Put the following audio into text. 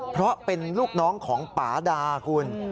เพราะเป็นลูกน้องของป่าดาคุณ